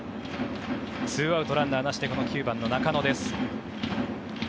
２アウト、ランナーなしで９番の中野です。